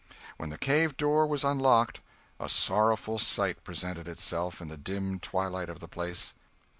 When the cave door was unlocked, a sorrowful sight presented itself in the dim twilight of the place.